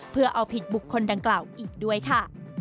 เพื่อเอาผิดบุคคลดังกล่าวอีกด้วยค่ะ